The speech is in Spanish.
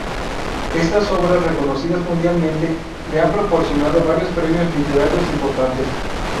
Estas obras, reconocidas mundialmente, le han proporcionado varios premios literarios importantes.